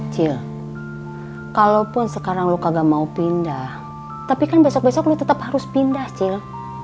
cil kalaupun sekarang lo kagak mau pindah tapi kan besok besok lu tetap harus pindah cil